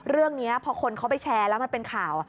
เรื่องนี้พอคนเขาไปแชร์แล้วมันเป็นข่าว